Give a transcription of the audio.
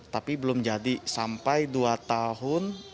tapi belum jadi sampai dua tahun